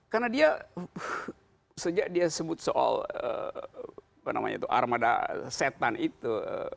karena dia sejak dia sebut soal armada setan itu